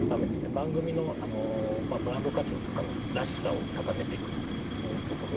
番組のブランド価値を高める「らしさ」を高めていくというところで。